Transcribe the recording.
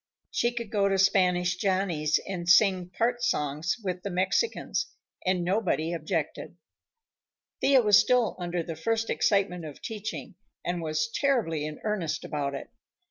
She could go to Spanish Johnny's and sing part songs with the Mexicans, and nobody objected. Thea was still under the first excitement of teaching, and was terribly in earnest about it.